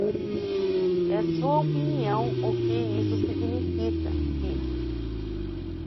É sua opinião o que isso significa, filho.